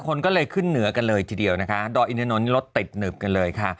คนก็เลยขึ้นเหนือกันเลยทีเดียวนะคะดอยอินทนนท์รถติดหนึบกันเลยค่ะ